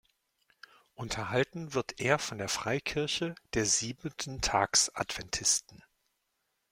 Unterhalten wird er von der Freikirche der Siebenten-Tags-Adventisten.